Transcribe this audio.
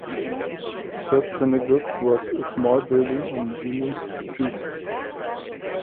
Its first synagogue was a small building on Union Street.